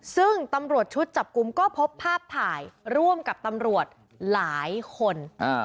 ซึ่งตำรวจชุดจับกลุ่มก็พบภาพถ่ายร่วมกับตำรวจหลายคน